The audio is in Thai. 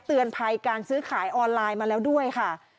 เตือนภัยการซื้อขายออนไลน์มาแล้วด้วยค่ะ